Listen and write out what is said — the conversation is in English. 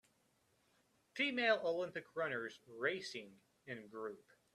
Female Olympic runners racing in group.